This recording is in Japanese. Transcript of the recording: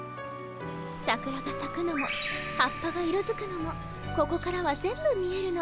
さくらがさくのも葉っぱが色づくのもここからは全部見えるの。